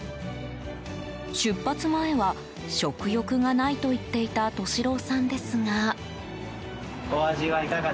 出発前は食欲がないと言っていた利郎さんですが。